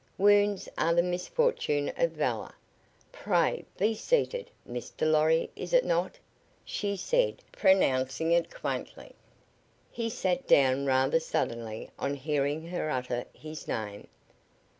Wounds are the misfortune of valor. Pray, be seated, Mr. Lorry is it not?" she said, pronouncing it quaintly. He sat down rather suddenly on hearing her utter his name.